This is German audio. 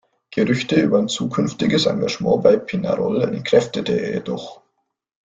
Gerüchte über ein zukünftiges Engagement bei Peñarol entkräftete er jedoch.